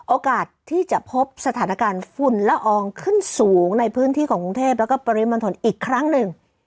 โอกาสที่จะพบสถานการณ์ฝุ่นละอองขึ้นสูงในพื้นที่ของกรุงเทพแล้วก็ปริมณฑลอีกครั้งหนึ่ง